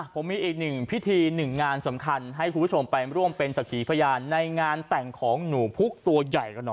ผมมีอีกหนึ่งพิธีหนึ่งงานสำคัญให้คุณผู้ชมไปร่วมเป็นสักขีพยานในงานแต่งของหนูพุกตัวใหญ่กันหน่อย